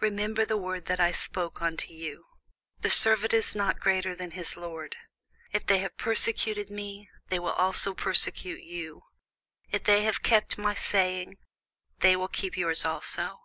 Remember the word that I said unto you, The servant is not greater than his lord. If they have persecuted me, they will also persecute you; if they have kept my saying, they will keep your's also.